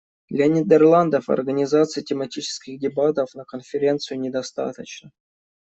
Для Нидерландов организации тематических дебатов на Конференции не достаточно.